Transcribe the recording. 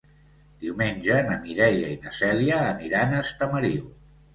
Diumenge na Mireia i na Cèlia aniran a Estamariu.